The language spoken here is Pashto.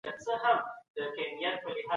بې دلیله ادعا په هیڅ څېړنه کي ځای نه لري.